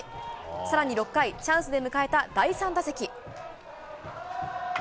さらに６回、チャンスで迎えた第３打席。